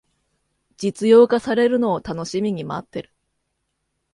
実用化されるのを楽しみに待ってる